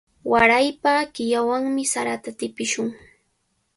Waraypa killawanmi sarata tipishun.